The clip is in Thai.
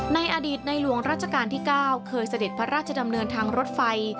ในอดีตในหลวงราชการที่๙เคยเสด็จพระราชดำเนินทางรถไฟ